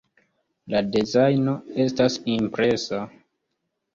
La dezajno estas impresa.